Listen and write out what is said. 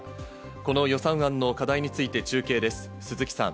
この予算案の課題について中継です、鈴木さん。